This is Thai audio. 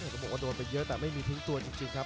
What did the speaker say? ก็บอกว่าโดนไปเยอะแต่ไม่มีทิ้งตัวจริงครับ